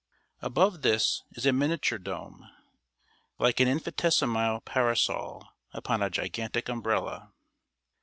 Above this is a miniature dome, like an infinitesimal parasol upon a gigantic umbrella.